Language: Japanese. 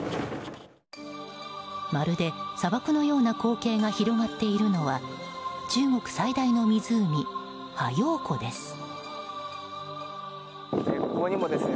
まるで砂漠のような光景が広がっているのは中国最大の湖、ハヨウ湖です。